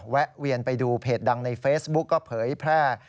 แวนไปดูเพจดังในเฟซบุ๊กก็เผยแพร่